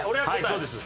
そうです。